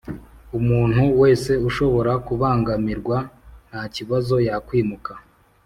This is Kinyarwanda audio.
Umuntu wese ushobora kubangamirwa ntakibazo yakwimuka